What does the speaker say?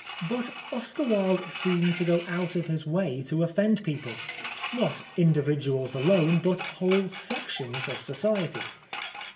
But Oscar Wilde seemed to go out of his way to offend people, not individuals alone, but whole sections of society.